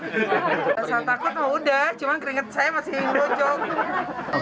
pasal takut mah udah cuman keringet saya masih ngelucong